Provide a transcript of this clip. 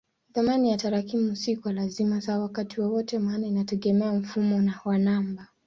Thamani ya tarakimu si kwa lazima sawa wakati wowote maana inategemea mfumo wa namba.